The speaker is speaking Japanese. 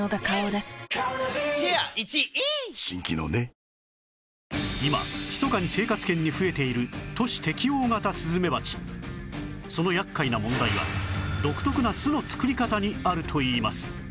最高の渇きに ＤＲＹ今ひそかに生活圏に増えている都市適応型スズメバチその厄介な問題は独特な巣の作り方にあるといいます